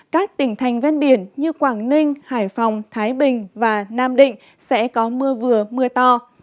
các tỉnh thành ven biển như quảng ninh hải phòng thái bình và nam định sẽ có mưa vừa mưa to